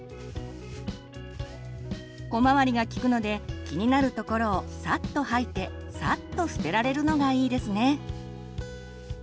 小回りが利くので気になる所をさっと掃いてさっと捨てられるのがいいですね。